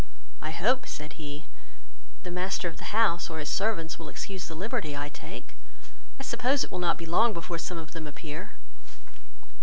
"I hope, (said he,) the master of the house, or his servants, will excuse the liberty I take; I suppose it will not be long before some of them appear."